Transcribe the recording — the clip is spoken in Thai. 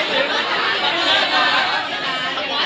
สวัสดีครับ